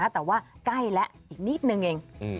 แต่ว่าใกล้แล้วอีกนิดนึงเอง